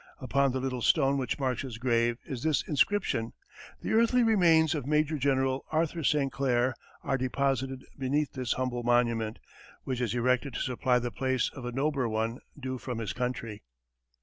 Upon the little stone which marks his grave is this inscription: "The earthly remains of Major General Arthur St. Clair are deposited beneath this humble monument, which is erected to supply the place of a nobler one due from his country."